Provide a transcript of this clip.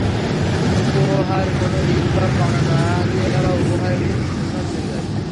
উপহার কোনো ঋণ বা পাওনা নয়হাদিয়া বা উপহার একটি সুন্নত বিষয়।